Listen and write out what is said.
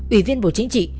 ủy viên bộ chính trị